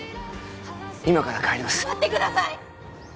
今から帰ります待ってください！